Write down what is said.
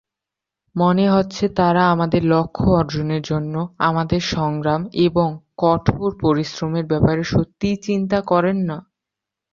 মনে হচ্ছে তারা আমাদের লক্ষ্য অর্জনের জন্য আমাদের সংগ্রাম এবং কঠোর পরিশ্রমের ব্যাপারে সত্যিই চিন্তা করেন না।